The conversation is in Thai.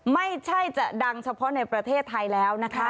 ไม่ใช่จะดังเฉพาะในประเทศไทยแล้วนะคะ